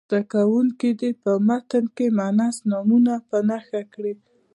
زده کوونکي دې په متن کې مونث نومونه په نښه کړي.